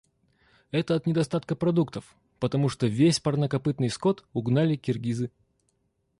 Это от недостатка продуктов, потому что весь парнокопытный скот угнали киргизы.